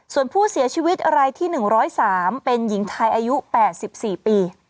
ส่วนผู้เสียชีวิตรายที่๑๐๓เป็นหญิงไทยอายุ๘๔ปี